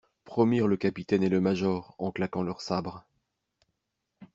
Promirent le capitaine et le major, en claquant leurs sabres.